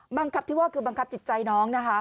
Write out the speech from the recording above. บังคับที่ว่าคือบังคับจิตใจน้องนะคะ